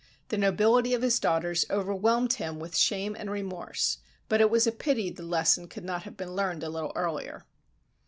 The nobility of his daughters overwhelmed him with shame and remorse, but it was a pity the lesson could not have been learned a little earlier.